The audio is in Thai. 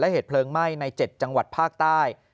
เหตุเพลิงไหม้ใน๗จังหวัดภาคใต้